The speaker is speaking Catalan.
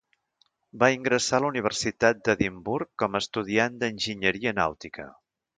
Va ingressar a la Universitat d'Edimburg com a estudiant d'enginyeria nàutica.